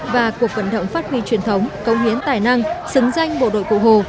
và cuộc vận động phát huy truyền thống công hiến tài năng xứng danh bộ đội cụ hồ